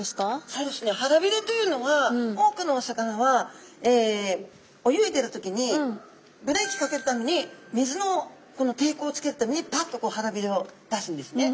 そうですね腹びれというのは多くのお魚は泳いでる時にブレーキかけるために水のこのていこうをつけるためにパッとこう腹びれを出すんですね。